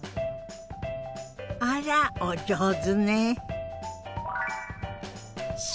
あらお上手ね。